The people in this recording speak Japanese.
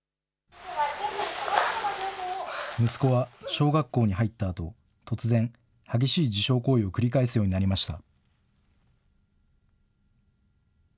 息子は小学校に入ったあと、突然、激しい自傷行為を繰り返すようになりました。